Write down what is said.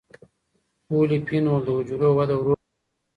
پولیفینول د حجرو وده ورو کوي.